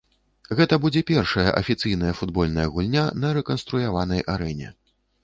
Гэта будзе першая афіцыйная футбольная гульня на рэканструяванай арэне.